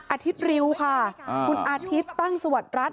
อาทิตย์ริวค่ะคุณอาทิตย์ตั้งสวัสดิรัฐ